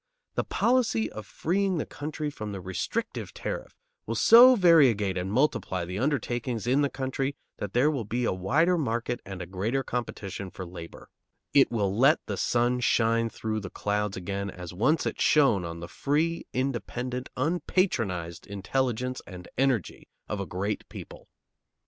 The policy of freeing the country from the restrictive tariff will so variegate and multiply the undertakings in the country that there will be a wider market and a greater competition for labor; it will let the sun shine through the clouds again as once it shone on the free, independent, unpatronized intelligence and energy of a great people.